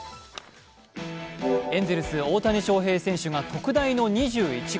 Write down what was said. エンゼルス・大谷翔平選手が特大の２１号。